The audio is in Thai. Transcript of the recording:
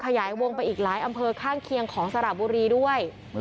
ขยายวงไปอีกหลายอำเภอข้างเคียงของสระบุรีด้วย